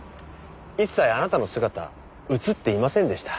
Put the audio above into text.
一切あなたの姿映っていませんでした。